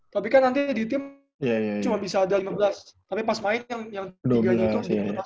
tapi kan nanti di tim cuma bisa ada lima belas tapi pas main yang tiga gitu